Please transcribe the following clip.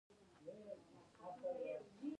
انار د افغانستان د جغرافیوي تنوع مثال دی.